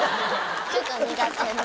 ちょっと苦手な。